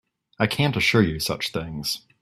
I can't assure you such things.